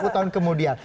dua puluh tahun kemudian